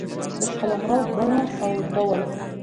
د قلمرو بڼه او ډول